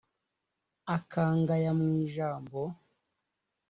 akangaya mu ijambo